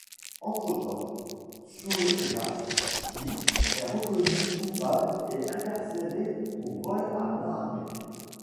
Entre-temps, Soulja Slim est reconnu coupable et incarcéré pour vol à main armée.